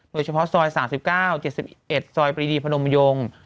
โดยเฉพาะซอย๓๙๗๑ซอยปรีดีพนมยง